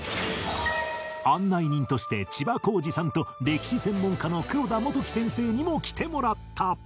案内人として千葉公慈さんと歴史専門家の黒田基樹先生にも来てもらった